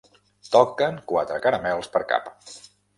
Toquen quatre caramels per cap.